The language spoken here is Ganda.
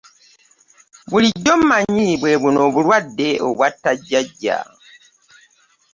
Bulijjo manyi bwe buno obulwadde obwatta jjajja.